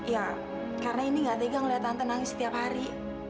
ya karena indi gak tega ngeliat tante nangis setiap hari